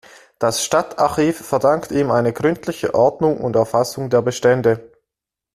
Das Stadtarchiv verdankt ihm eine gründliche Ordnung und Erfassung der Bestände.